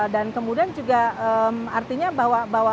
dan kemudian juga artinya bahwa